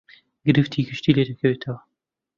گرفتی گشتی لێ دەکەوێتەوە